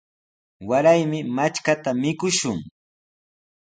Waraymi matrkata mikushun.